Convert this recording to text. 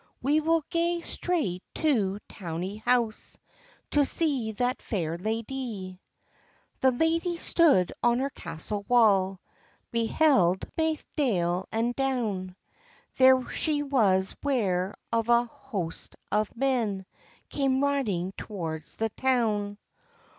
We will gae straight to Towie house, To see that fair ladye." [The ladye stood on her castle wall, Beheld baith dale and down; There she was 'ware of a host of men Came riding towards the town.